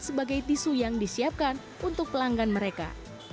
sebagai tisu yang disiapkan untuk pelanggan mereka